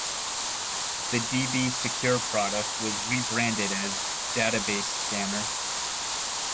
The DbSecure product was rebranded as Database Scanner.